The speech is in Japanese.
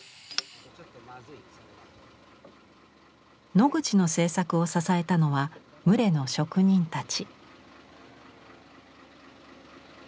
ノグチの制作を支えたのは牟礼の職人たち。